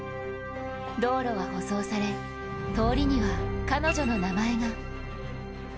道路は舗装され通りには彼女の名前が。